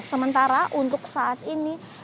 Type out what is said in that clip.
sementara untuk saat ini